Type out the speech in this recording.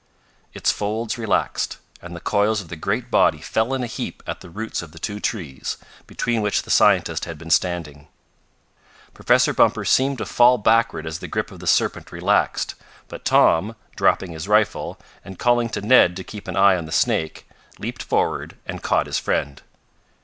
Its folds relaxed, and the coils of the great body fell in a heap at the roots of the two trees, between which the scientist had been standing. Professor Bumper seemed to fall backward as the grip of the serpent relaxed, but Tom, dropping his rifle, and calling to Ned to keep an eye on the snake, leaped forward and caught his friend.